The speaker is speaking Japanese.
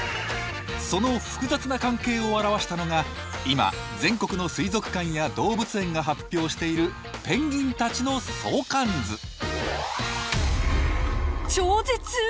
その複雑な関係を表したのが今全国の水族館や動物園が発表しているペンギンたちの相関図。